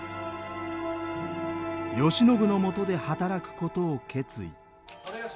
慶喜のもとで働くことを決意。